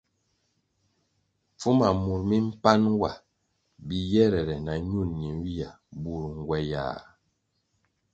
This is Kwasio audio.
Pfuma mur mi mpan wa biyere na ñul ñenywia bur ngywayah.